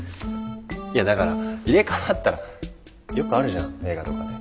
いやだから入れ代わったらよくあるじゃん映画とかで。